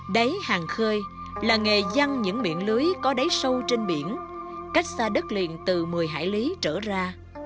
đáy hàng khơi là nghề dân những miệng lưới có đáy sâu trên biển cách xa đất liền từ một mươi hải lý trở ra